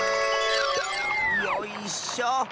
よいしょ。